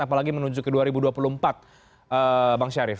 apalagi menuju ke dua ribu dua puluh empat bang syarif